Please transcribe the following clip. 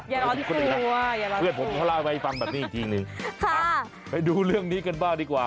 อย่ารักษูว่าอย่ารักษูว่าเพื่อนผมเขาเล่าให้ฟังแบบนี้จริงไปดูเรื่องนี้กันบ้างดีกว่า